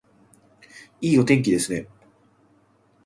いいお天気ですね